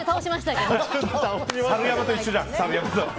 猿山と同じじゃん。